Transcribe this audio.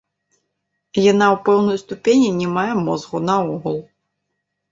Яна ў пэўнай ступені не мае мозгу наогул.